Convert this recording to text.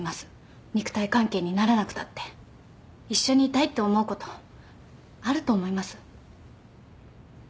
肉体関係にならなくたって一緒にいたいって思うことあると思います。